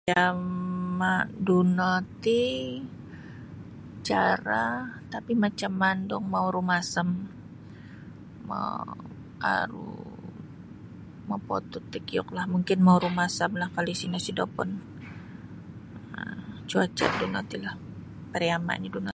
Pariama duno ti carah tapi macam mandung mau rumasam mau aru mopotut takiuklah mungkin mau rumasamlah kali sino sodopon um cuaca duno tilah pariamanyo dauno.